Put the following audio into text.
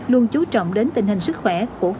luôn chú trọng đến tình hình sức khỏe